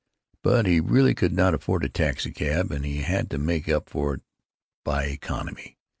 But he really could not afford a taxicab, and he had to make up for it by economy.